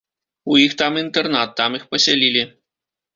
У іх там інтэрнат, там іх пасялілі.